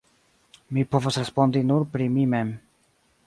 Mi povas respondi nur pri mi mem.